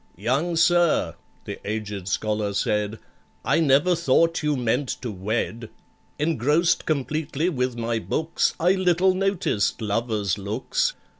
"Young sir," the aged scholar said, "I never thought you meant to wed: Engrossed completely with my books, I little noticed lovers' looks.